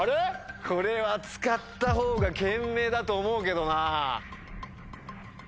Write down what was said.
これは使ったほうが賢明だと思うけどな。